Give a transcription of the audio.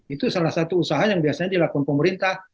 itu salah satu usaha yang biasanya dilakukan pemerintah